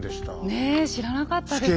ねえ知らなかったですね。